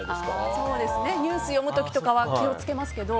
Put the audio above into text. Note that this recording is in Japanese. ニュース読む時とかは気を付けますけど。